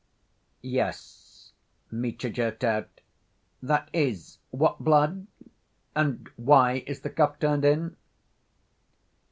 "Yes," Mitya jerked out. "That is, what blood? ... and why is the cuff turned in?"